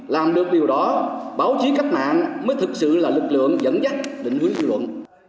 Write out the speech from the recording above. làm được điều đó báo chí cách mạng mới thực sự là lực lượng dẫn dắt định hướng dư luận